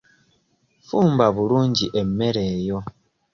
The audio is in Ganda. Fumba bulungi emmere eyo.